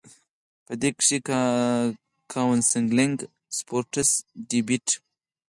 پۀ دې کښې کاونسلنګ ، سپورټس ، ډيبېټ ،